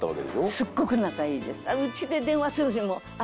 すっごく仲いいです。